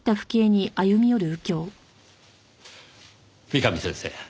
三上先生